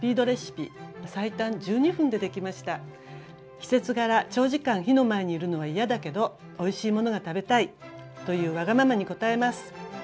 季節柄長時間火の前にいるのは嫌だけどおいしいものが食べたいというわがままに応えます。